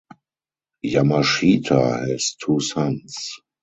Yamashita has two sons.